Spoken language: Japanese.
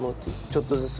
ちょっとずつ。